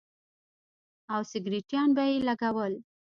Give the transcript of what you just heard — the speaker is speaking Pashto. او سگرټيان به يې لگول.